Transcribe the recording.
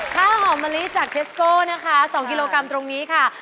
ข้าวหอมมะลิจากเทสโก้นะคะ๒กิโลกรัมตรงนี้ค่ะ